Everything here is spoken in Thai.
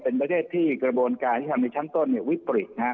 เป็นประเทศที่กระบวนการที่ทำในชั้นต้นวิปริตนะฮะ